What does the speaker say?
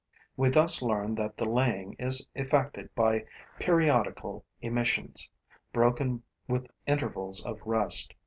We thus learn that the laying is effected by periodical emissions, broken with intervals of rest.